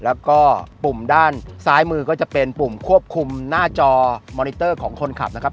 แล้วก็ปุ่มด้านซ้ายมือก็จะเป็นปุ่มควบคุมหน้าจอมอนิเตอร์ของคนขับนะครับ